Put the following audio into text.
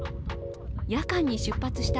夜間に出発した